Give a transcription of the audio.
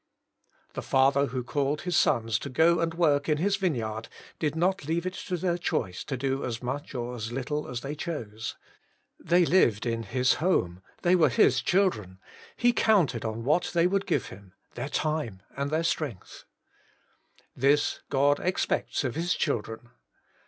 The father who called his sons to go and work in his vineyard did not leave it to their choice to do as much or as little as they chose. They lived in his home, they were his children, he counted on what they would give him, their time and strength. This God expects of His children.